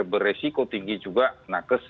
beresiko tinggi juga nakes